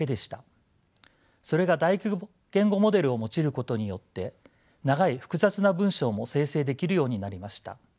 それが大規模言語モデルを用いることによって長い複雑な文章も生成できるようになりました。